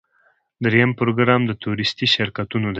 دریم پروګرام د تورېستي شرکتونو دی.